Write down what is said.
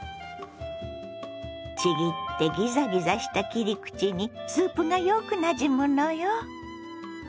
ちぎってギザギザした切り口にスープがよくなじむのよ。